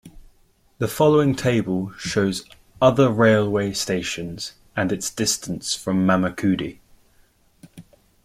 The following table shows other railway stations and its distance from Mamakudi.